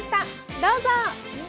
どうぞ！